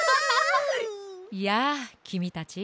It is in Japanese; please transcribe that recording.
やあきみたち。